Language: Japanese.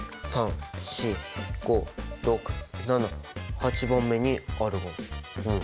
で８番目にアルゴンうん